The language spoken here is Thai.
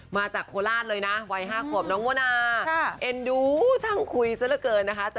มาจากโคราชเลยนะวัย๕ขวบน้องโมนาเอ็นดูช่างคุยซะละเกินนะคะ